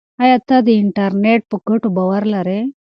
ایا ته د انټرنیټ په ګټو باور لرې؟